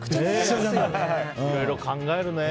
いろいろ考えるね。